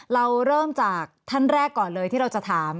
เราเริ่มจากท่านแรกก่อนเลยที่เราจะถาม